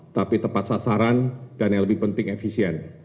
tapi tepat sasaran dan yang lebih penting efisien